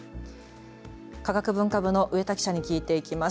科学文化部の植田記者に聞いていきます。